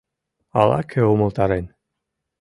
Ала-кӧ умылтарен!